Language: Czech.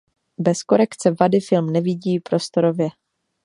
Bez korekce vady film nevidí prostorově.